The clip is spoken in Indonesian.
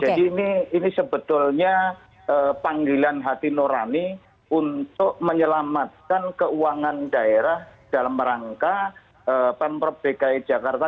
jadi ini sebetulnya panggilan hati norani untuk menyelamatkan keuangan daerah dalam rangka pemperbegai jakarta